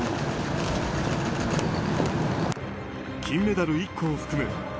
金メダル１個を含む